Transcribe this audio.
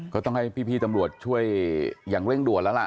ก็ต้องให้พี่ตำรวจช่วยอย่างเร่งด่วนแล้วล่ะ